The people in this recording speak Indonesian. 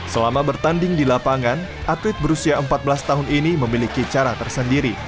selama bertanding di lapangan atlet berusia empat belas tahun ini memiliki cara tersendiri